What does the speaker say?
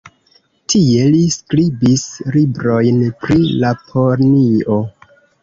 Tie li skribis librojn pri Laponio.